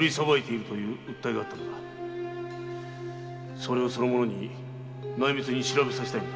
それをその者に内密に調べさせたいのだ。